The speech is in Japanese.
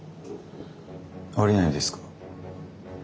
降りないんですか？